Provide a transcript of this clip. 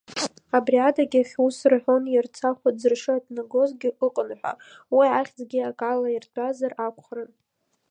Абри адагьых, ус рҳәон Иарцахә аӡыршы анҭнагозгьы ыҟан ҳәа, уи ахьӡгьы акала иртәазар акәхарын…